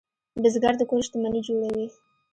بزګر د کور شتمني جوړوي